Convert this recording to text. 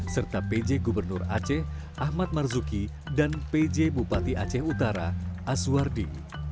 serta pj gubernur aceh ahmad marzuki dan pj bupati aceh utara aswardi